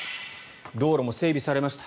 道路も整備されました